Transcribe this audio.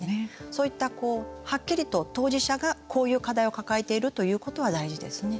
そういった、はっきりと当事者がこういう課題を抱えていると言うことは大事ですね。